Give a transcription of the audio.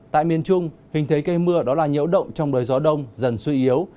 tại miền trung hình thế cây mưa đó là nhiễu động trong đời gió đông dần suy yếu